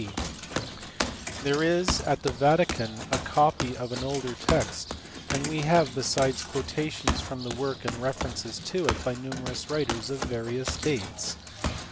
D.). There is at the Vatican a copy of an older text, and we have besides quotations from the work and references to it by numerous writers of various dates.